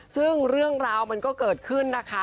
ซึ่งเรื่องราวมันก็เกิดขึ้นนะคะ